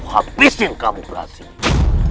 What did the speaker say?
berarti aku hapisin kamu prasini